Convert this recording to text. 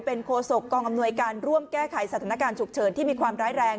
เป็นโคศกกองอำนวยการร่วมแก้ไขสถานการณ์ฉุกเฉินที่มีความร้ายแรง